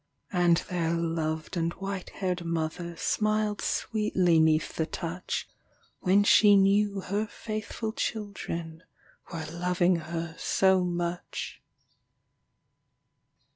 And their loved and white haired mother Smiled sweetly 'neath the touch, When she knew her faithful children Were loving her so much.